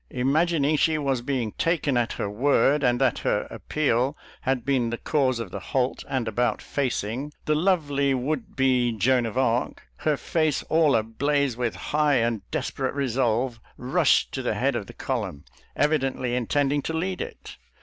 Imagining she was being taken at her word and that her appeal had been the cause of the halt and about facing, the lovely would be Joan of Arc, her face all ablaze with high and desperate resO^lve, rushed to the head of the column, i evidently intending to lead it.